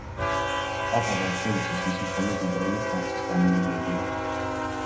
პაპად არჩევისას ის მხოლოდ უბრალო ფრანცისკანელი ბერი იყო.